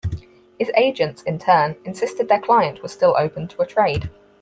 His agents, in turn, insisted their client was still open to a trade.